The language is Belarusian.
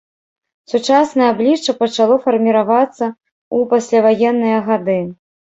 Сучаснае аблічча пачало фарміравацца ў пасляваенныя гады.